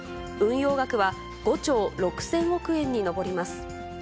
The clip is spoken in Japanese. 運用額は５兆６０００億円に上ります。